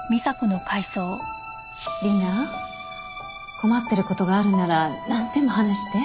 困ってる事があるならなんでも話して。